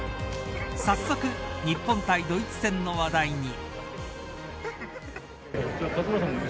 早速、日本対ドイツ戦の話題に。